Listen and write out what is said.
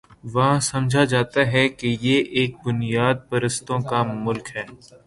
وہاں سمجھا جاتا ہے کہ یہ ایک بنیاد پرستوں کا ملک ہے۔